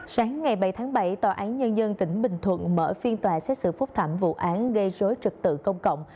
sáng ngày bảy tháng bảy tòa án nhân dân tỉnh bình thuận mở phiên tòa xét xử phúc thẩm vụ án gây rối trực tự công cộng